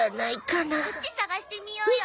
こっち探してみようよ！